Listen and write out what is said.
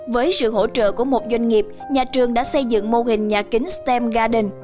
với sự hỗ trợ của một doanh nghiệp nhà trường đã xây dựng mô hình nhà kính stem garden